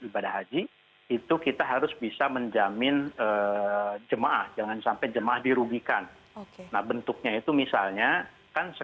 bagaimana cara itu kemudian diganti atau dilakukan sebagai ketengahan terhadap person hojo